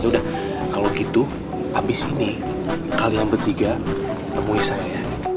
ya udah kalau gitu habis ini kalian bertiga temui saya ya